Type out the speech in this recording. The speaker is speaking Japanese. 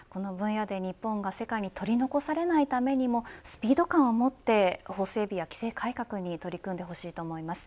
この分野で日本が世界に取り残されないためにもスピード感をもって法整備や規制改革に取り組んでほしいと思います。